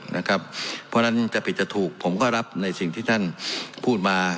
เพราะฉะนั้นจะผิดจะถูกผมก็รับในสิ่งที่ท่านพูดมา